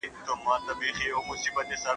چېري د ویانا کنوانسیون پلي کیږي؟